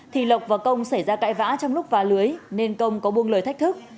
thì lộc và công xảy ra cãi vã trong lúc vá lưới nên công có buông lời thách thức